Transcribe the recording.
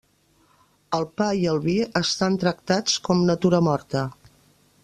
El pa i el vi estan tractats com natura morta.